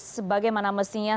sebagai mana mestinya